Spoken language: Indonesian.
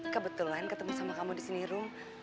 kebetulan ketemu sama kamu disini rum